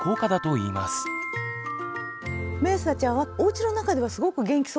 めいさちゃんはおうちの中ではすごく元気そうだったんですよね。